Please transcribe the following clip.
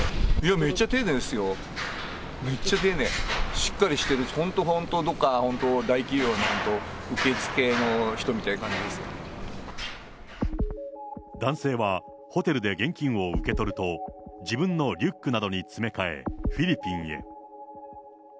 めっちゃ丁寧、しっかりしてるし、本当、本当、どっか大企業の本当、男性はホテルで現金を受け取ると、自分のリュックなどに詰め替え、フィリピンへ。